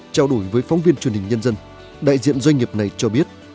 trao đổi với phóng viên truyền hình nhân dân đại diện doanh nghiệp này cho biết